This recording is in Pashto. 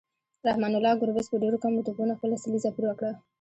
رحمان الله ګربز په ډیرو کمو توپونو خپله سلیزه پوره کړه